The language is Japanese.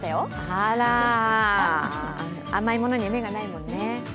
あら、甘いものに目がないものね。